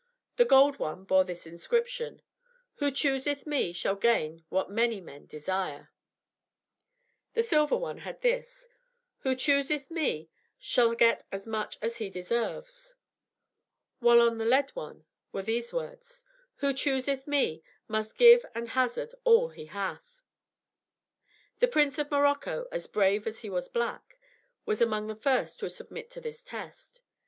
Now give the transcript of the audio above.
The gold one bore this inscription: "Who chooseth me shall gain what many men desire"; the silver one had this: "Who chooseth me shall get as much as he deserves"; while on the lead one were these words: "Who chooseth me must give and hazard all he hath." The Prince of Morocco, as brave as he was black, was among the first to submit to this test.